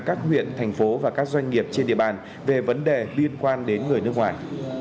các huyện thành phố và các doanh nghiệp trên địa bàn về vấn đề liên quan đến người nước ngoài